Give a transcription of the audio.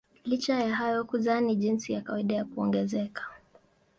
Licha ya hayo kuzaa ni jinsi ya kawaida ya kuongezeka.